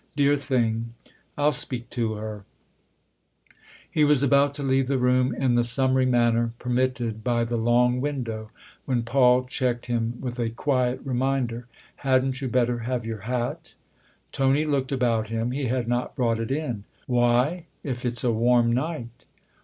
" Dear thing, I'll speak to her." THE OTHER HOUSE 37 He was about to leave the room in the summary manner permitted by the long widow when Paul checked him with a quiet reminder. " Hadn't you better have your hat ?" Tony looked about him he had not brought it in. " Why ? if it's a warm night